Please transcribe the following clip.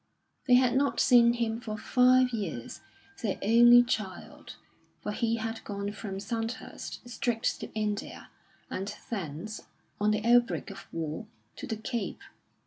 They had not seen him for five years, their only child; for he had gone from Sandhurst straight to India, and thence, on the outbreak of war, to the Cape.